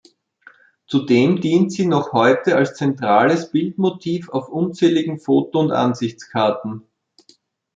Zudem dient sie noch heute als zentrales Bildmotiv auf unzähligen Foto- und Ansichtskarten.